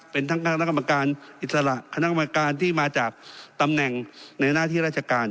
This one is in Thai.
เป็นทั้งคณะกรรมการอิสระคณะกรรมการที่มาจากตำแหน่งในหน้าที่ราชการ